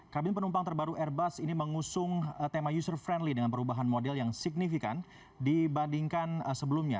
kabin penumpang terbaru airbus ini mengusung tema user friendly dengan perubahan model yang signifikan dibandingkan sebelumnya